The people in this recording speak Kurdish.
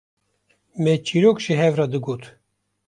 me çîrok ji hev re digot